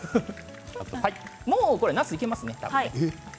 もう、なす、いけますね。